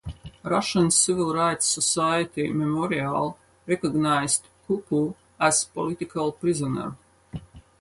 Russian civil rights society Memorial recognized Kuku as political prisoner.